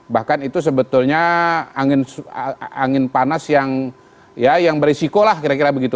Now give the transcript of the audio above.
bahkan itu sebetulnya angin panas yang berisiko lah kira kira begitu